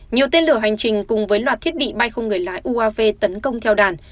nhiều tên lửa hành trình cùng với loạt thiết bị bay không người lái uav tấn công theo đàn